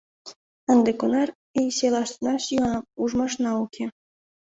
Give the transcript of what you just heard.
Ынде кунар ий селаштына сӱаным ужмашна уке.